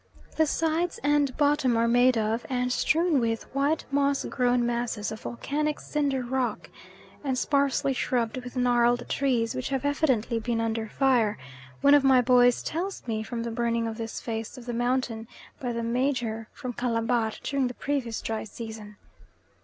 The sides and bottom are made of, and strewn with, white, moss grown masses of volcanic cinder rock, and sparsely shrubbed with gnarled trees which have evidently been under fire one of my boys tells me from the burning of this face of the mountain by "the Major from Calabar" during the previous dry season.